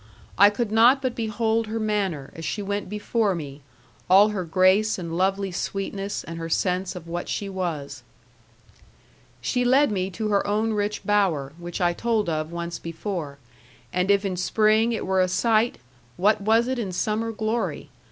I could not but behold her manner, as she went before me, all her grace, and lovely sweetness, and her sense of what she was. She led me to her own rich bower, which I told of once before; and if in spring it were a sight, what was it in summer glory?